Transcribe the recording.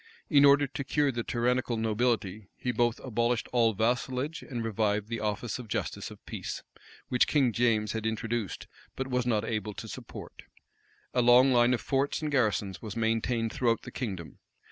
In order to cure the tyrannical nobility, he both abolished all vassalage,[*] and revived the office of justice of peace, which King James had introduced, but was not able to support.[] A long line of forts and garrisons was maintained throughout the kingdom.